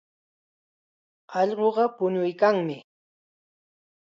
Allquqa puñuykanmi.